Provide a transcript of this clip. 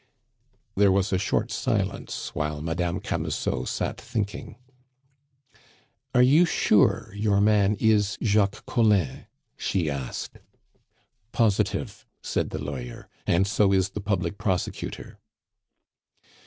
There was a short silence, while Madame Camusot sat thinking. "Are you sure your man is Jacques Collin?" she asked. "Positive," said the lawyer, "and so is the public prosecutor."